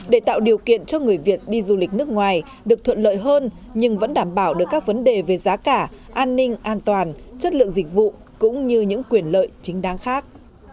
để tạo điều kiện cho người việt đi du lịch nước ngoài được thuận lợi hơn nhưng vẫn đảm bảo được các vấn đề về giá cả an ninh an toàn chất lượng dịch vụ cũng như những quyền lợi chính đáng khác